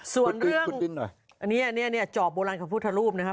ส่วนเรื่องจอบโบราณกับพุทธรูปนะครับ